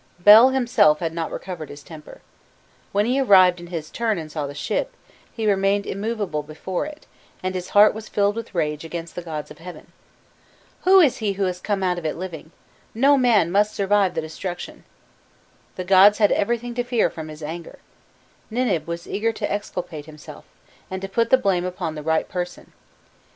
Bel himself had not recovered his temper: "When he arrived in his turn and saw the ship, he remained immovable before it, and his heart was filled with rage against the gods of heaven. 'Who is he who has come out of it living? No man must survive the destruction!'" The gods had everything to fear from his anger: Ninib was eager to exculpate himself, and to put the blame upon the right person.